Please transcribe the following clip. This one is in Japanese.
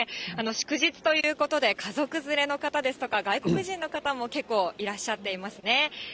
祝日ということで、家族連れの方ですとか、外国人の方も結構いらっしゃっていますね。